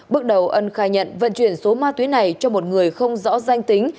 bước đầu ân khai nhận vận chuyển số ma túy này cho một người không rõ danh tính